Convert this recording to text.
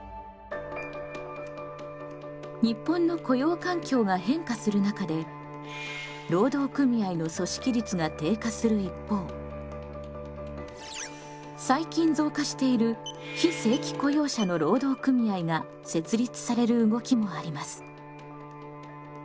日本の雇用環境が変化する中で労働組合の組織率が低下する一方最近増加している非正規雇用者の労働組合が設立される動きもあります。